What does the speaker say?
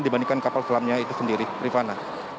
dibandingkan kapal selamnya itu sendiri rifana